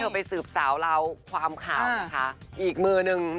เธอไปสืบสาวเราความข่าวอย่างใหญ่ของอีกมือนึง